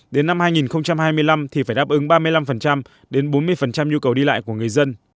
đến năm hai nghìn hai mươi năm thì phải đáp ứng ba mươi năm đến bốn mươi nhu cầu đi lại của người dân